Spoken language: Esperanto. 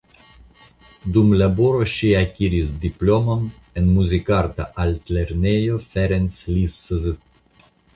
Dum laboro ŝi akiris diplomon en Muzikarta Altlernejo Ferenc Liszt.